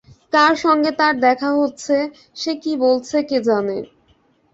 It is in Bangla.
কার সঙ্গে তার দেখা হচ্ছে, সে কী বলছে কে জানে?